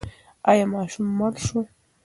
ایا ماشوم مړ شو؟